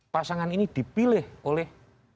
pasangan ini dipilih oleh